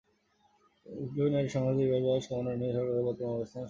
বিপ্লবী নারী সংহতি বিয়ের বয়স কমানো নিয়ে সরকারের বর্তমান অবস্থানের সমালোচনা করেছে।